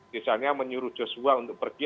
misalnya menyuruh joshua untuk pergi